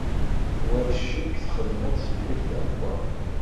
War ccek, txedmeḍ s lḥif d ameqran.